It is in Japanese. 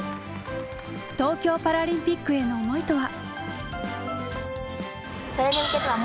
東京パラリンピックへの思いとは？